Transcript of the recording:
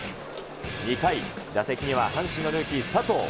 ２回、打席には阪神のルーキー、佐藤。